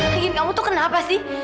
pengen kamu tuh kenapa sih